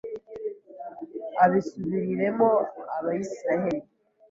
abisubiriremo Abisirayeli